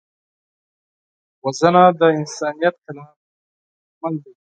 وژنه د انسانیت خلاف عمل دی